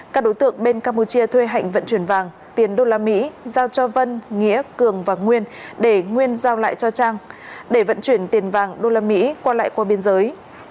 các đối tượng bên campuchia thuê hạnh vận chuyển vàng tiền đô la mỹ giao cho vân nghĩa cường và nguyên để nguyên giao lại cho trang để vận chuyển tiền vàng đô la mỹ qua lại qua biên giới